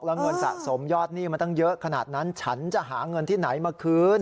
แล้วเงินสะสมยอดหนี้มาตั้งเยอะขนาดนั้นฉันจะหาเงินที่ไหนมาคืน